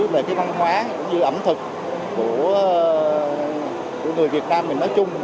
về cái văn hóa cũng như ẩm thực của người việt nam mình nói chung